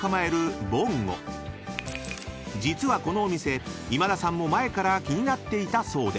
［実はこのお店今田さんも前から気になっていたそうで］